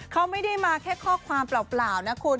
เขาไม่ได้มาแค่ข้อความเปล่านะคุณ